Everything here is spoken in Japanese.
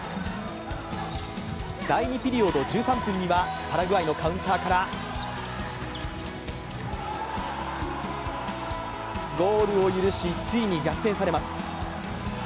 第２ピリオド１３分には、パラグアイのカウンターからゴールを許しついに逆転されます。